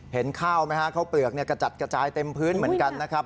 เห็นข้าวไหมฮะข้าวเปลือกกระจัดกระจายเต็มพื้นเหมือนกันนะครับ